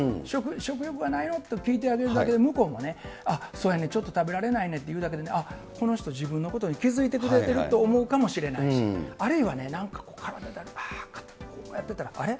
食欲がないの？と聞いてあげるだけで向こうも、あっ、そうやね、ちょっと食べられないねって言うだけであっ、この人、自分のことに気付いてくれてるって思うかもしれないし、あるいは、なんかこうやってたら、あれ？